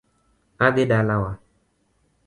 Adhi dalawa